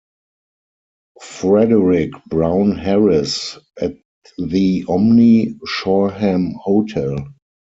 Frederick Brown Harris at the Omni Shoreham Hotel.